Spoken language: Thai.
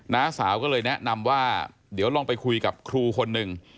น้าสาวก็เลยแนะนำว่าเดี๋ยวลองไปคุยกับครูคนหนึ่ง